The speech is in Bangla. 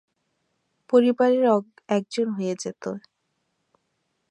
পরিবারের একজন হয়ে যেতে।